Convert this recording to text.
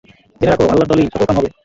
জেনে রাখ, আল্লাহর দলই সফলকাম হবে।